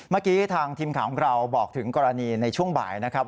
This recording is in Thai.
เมื่อกี้ทางทีมข่าวของเราบอกถึงกรณีในช่วงบ่ายนะครับ